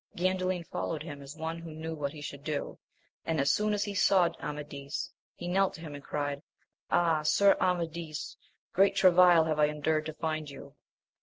Gandalin followed him as one who knew what he should do ; and as soon as he saw Amadis, he knelt to him and cried, Ah, Sir Amadis ! great travail have I endured to find you.